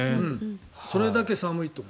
それだけ寒いという。